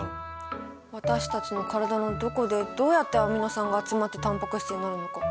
私たちの体のどこでどうやってアミノ酸が集まってタンパク質になるのか。